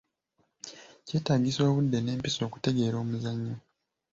Kyetaagisa obudde n'empisa okutegeera omuzannyo.